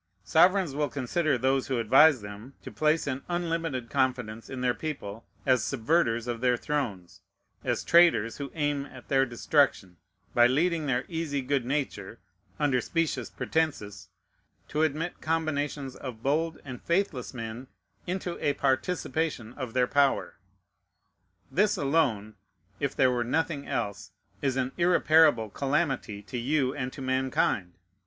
Sovereigns will consider those who advise them to place an unlimited confidence in their people as subverters of their thrones, as traitors who aim at their destruction, by leading their easy good nature, under specious pretences, to admit combinations of bold and faithless men into a participation of their power. This alone (if there were nothing else) is an irreparable calamity to you and to mankind.